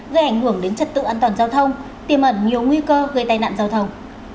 gây ảnh hưởng đến trật tự an toàn giao thông tiêm ẩn nhiều nguy cơ gây tai nạn giao thông